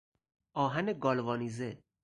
آهن گالوانیزه